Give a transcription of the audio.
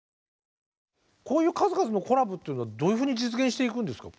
こういう数々のコラボっていうのはどういうふうに実現していくんですか？